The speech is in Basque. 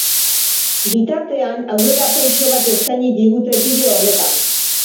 Bitartean, aurrerapentxo bat eskaini digute bideo honetan!